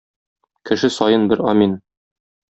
Кеше саен бер амин.